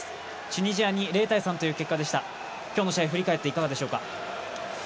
チュニジアに０−３という結果でした今日の試合振り返っていかがでしょうか？